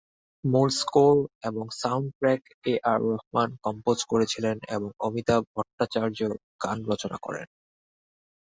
মূল স্কোর এবং soundtrack A R Rahman compose করেছিলেন এবং অমিতাভ ভট্টাচার্য গান রচনা করেন।